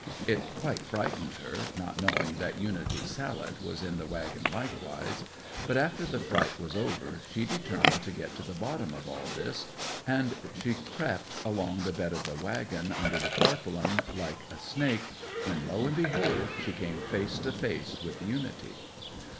It quite frightened her, not knowing that Unity Sallet was in the waggon likewise. But after the fright was over she determined to get to the bottom of all this, and she crept and crept along the bed of the waggon, under the tarpaulin, like a snake, when lo and behold she came face to face with Unity.